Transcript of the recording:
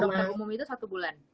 untuk umum itu satu bulan